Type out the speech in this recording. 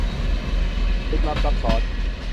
ลึกลับซับซ้อน